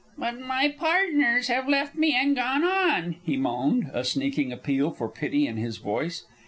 "But my partners have left me and gone on," he moaned, a sneaking appeal for pity in his voice.